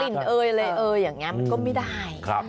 กลิ่นเออเลยเอออย่างงี้มันก็ไม่ได้